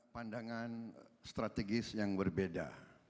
pandangan strategis yang berbeda